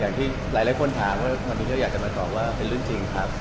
อย่างที่หลายคนถามแฮมม่ีเดียวมาตอบว่าเป็นเรื่องจริงครับ